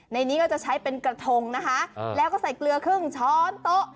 ในนี้ก็จะใช้เป็นกระทงนะคะแล้วก็ใส่เกลือครึ่งช้อนโต๊ะ